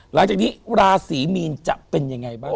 หลังจากนี้ราศีมีนจะเป็นยังไงบ้าง